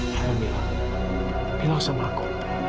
camilla beritahu aku